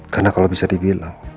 karena kalau bisa dibilang